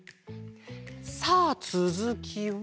さあつづきは。